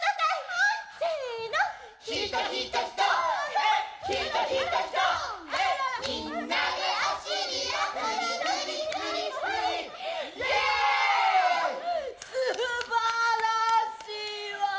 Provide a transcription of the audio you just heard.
すばらしいわ！